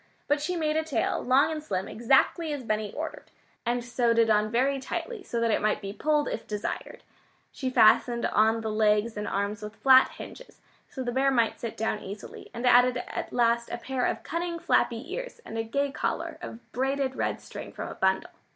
But she made a tail, long and slim, exactly as Benny ordered, and sewed it on very tightly, so that it might be "pulled" if desired. She fastened on the legs and arms with flat hinges, so the bear might sit down easily, and added at last a pair of cunning flappy ears and a gay collar of braided red string from a bundle.